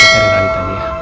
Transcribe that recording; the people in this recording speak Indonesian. kita cari rally tadi ya